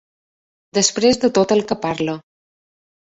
Després de tot el que parla!